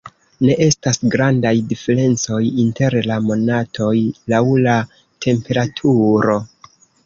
Ne estas grandaj diferencoj inter la monatoj laŭ la temperaturo.